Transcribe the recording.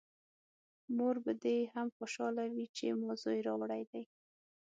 مور به دې هم خوشحاله وي چې ما زوی راوړی دی!